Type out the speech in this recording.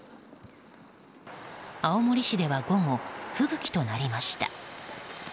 青森市では午後吹雪となりました。